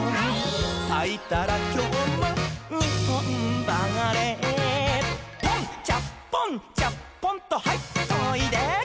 「さいたらきょうもにほんばれポン」「チャッポンチャッポンとはいっといで」